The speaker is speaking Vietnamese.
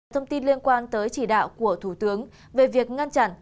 thông tin liên quan tới chỉ đạo của thủ tướng về việc ngăn chặn